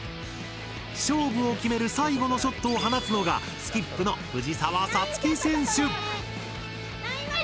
勝負を決める最後のショットを放つのがスキップの藤澤五月選手。